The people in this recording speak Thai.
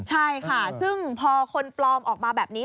ใช่ค่ะซึ่งพอคนปลอมออกมาแบบนี้